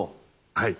はい。